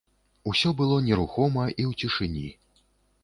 Усё было нерухома і ў цішыні.